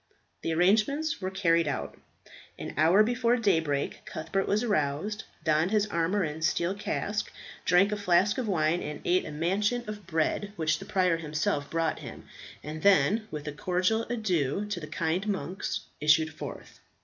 The arrangements were carried out. An hour before daybreak Cuthbert was aroused, donned his armour and steel casque, drank a flask of wine, and ate a manchet of bread which the prior himself brought him; and then, with a cordial adieu to the kind monks, issued forth.